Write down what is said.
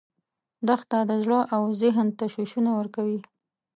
دښته د زړه او ذهن تشویشونه ورکوي.